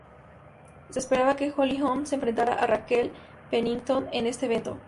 Se esperaba que Holly Holm se enfrentará a Raquel Pennington en este evento.